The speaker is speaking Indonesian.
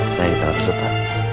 sayang jangan lupa